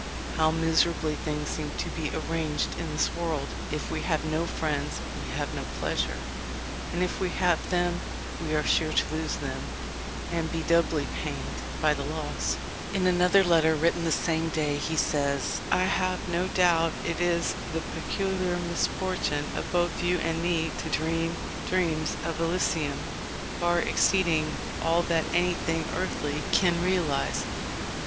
How miserably things seem to be arranged in this world! If we have no friends we have no pleasure, and if we have them we are sure to lose them, and be doubly pained by the loss." 222 THE LIFE OF LINCOLN. In another letter, written the same day, he says, "I have no doubt it is the peculiar misfortune of both you and me to dream dreams of Elysium far ex ceeding all that anything earthly can realize.